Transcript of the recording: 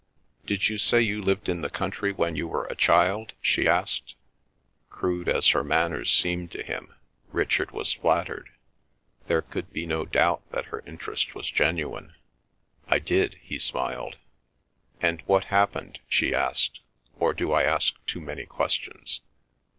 "Did you say you lived in the country when you were a child?" she asked. Crude as her manners seemed to him, Richard was flattered. There could be no doubt that her interest was genuine. "I did," he smiled. "And what happened?" she asked. "Or do I ask too many questions?"